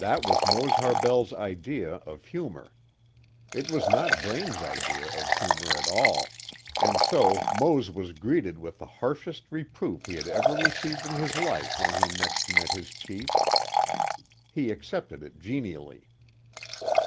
That was Mose Harbell's idea of humor. It was not Braine's idea of humor at all, and so Mose was greeted with the harshest reproof he had ever received in his life when he next met his chief. He accepted it "genially."